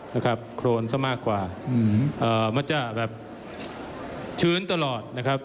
นะครับโครนซะมากกว่าอืมเอ่อมันจะแบบชื้นตลอดนะครับ